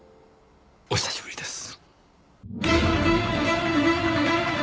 お久しぶりです。